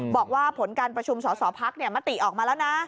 บอกว่าผลการประชุมศศภักดิ์เนี่ยมติออกมาแล้วนะ